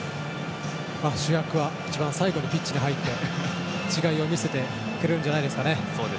主役は、一番最後にピッチに入り違いを見せてくれるんじゃないですかね。